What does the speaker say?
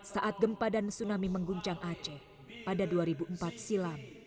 saat gempa dan tsunami mengguncang aceh pada dua ribu empat silam